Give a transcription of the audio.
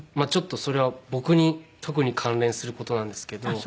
ちょっとそれは僕に特に関連する事なんですけど。